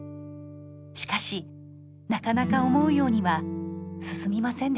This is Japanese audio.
しかしなかなか思うようには進みませんでした。